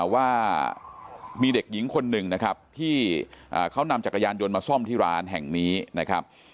ว่ามีเด็กหญิงคนหนึ่งนะครับที่เขานำจักรยานยนต์มาซ่อมที่ร้านแห่งนี้นะครับ